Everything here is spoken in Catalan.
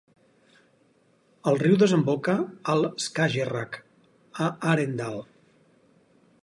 El riu desemboca al Skagerrak, a Arendal.